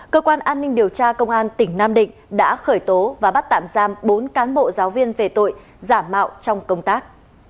cơ quan an ninh điều tra công an tỉnh nam định đã khởi tố và bắt tạm giam bốn cán bộ giáo viên về tội giả mạo trong công tác